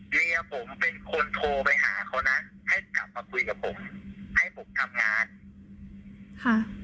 เมียผมเป็นคนโทรไปหาเขานะให้กลับมาคุยกับผมให้ผมทำงานค่ะ